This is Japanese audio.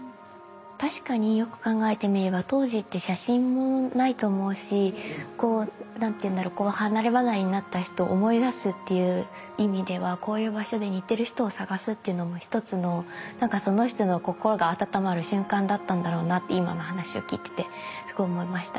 確かによく考えてみれば当時って写真もないと思うし何ていうんだろう離れ離れになった人を思い出すっていう意味ではこういう場所で似てる人を探すっていうのも一つのなんかその人の心が温まる瞬間だったんだろうなって今の話を聞いててすごい思いましたね。